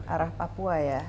arah papua ya